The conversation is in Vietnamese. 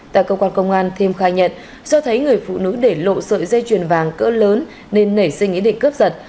tại cơ quan công an thêm khai nhận do thấy người phụ nữ để lộ sợi dây chuyền vàng cỡ lớn nên nảy sinh ý định cướp giật